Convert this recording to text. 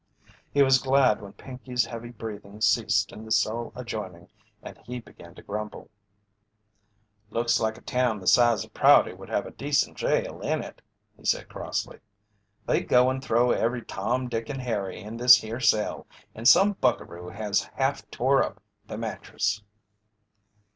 He was glad when Pinkey's heavy breathing ceased in the cell adjoining and he began to grumble. "Looks like a town the size of Prouty would have a decent jail in it," he said, crossly. "They go and throw every Tom, Dick, and Harry in this here cell, and some buckaroo has half tore up the mattress."